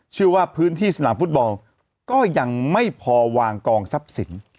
ชื่อว่าพื้นที่สนามฟุตบอลก็ยังไม่พอวางกองทรัพย์สิน